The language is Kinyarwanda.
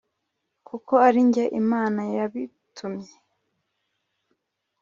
kuko ari jye imana yabitumye